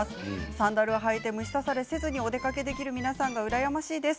サンダルを履いて虫刺されせず、お出かけできる皆さんが羨ましいです。